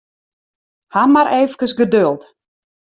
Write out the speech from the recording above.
Haw mar efkes geduld.